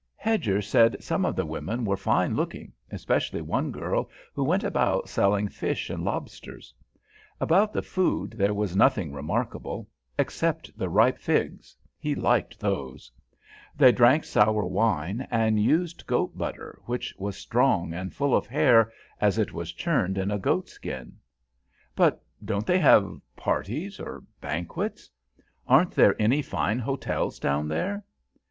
Hedger said some of the women were fine looking, especially one girl who went about selling fish and lobsters. About the food there was nothing remarkable, except the ripe figs, he liked those. They drank sour wine, and used goat butter, which was strong and full of hair, as it was churned in a goat skin. "But don't they have parties or banquets? Aren't there any fine hotels down there?"